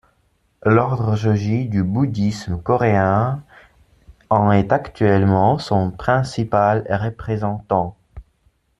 L'ordre Jogye du bouddhisme coréen en est actuellement son principal représentant.